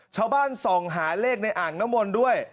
ชาวบ้านส่องหาเลขในอ่างน้ำมนต์ด้วย